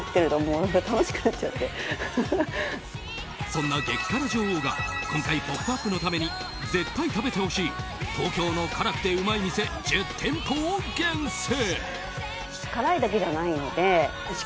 そんな激辛女王が今回「ポップＵＰ！」のために絶対食べてほしい東京の辛くてうまい店１０店舗を厳選。